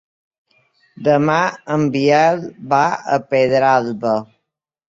Demà en Biel va a Pedralba.